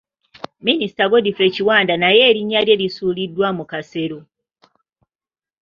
Minisita Godfrey Kiwanda naye erinnya lye lisuuliddwa mu kasero.